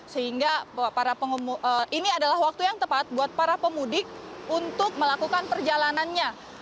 sehingga ini adalah waktu yang tepat buat para pemudik untuk melakukan perjalanannya